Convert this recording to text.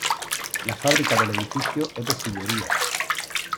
La fábrica del edificio es de sillería.